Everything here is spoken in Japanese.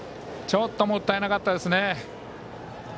ちょっともったいなかったですね。